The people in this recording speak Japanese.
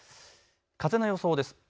風の予想です。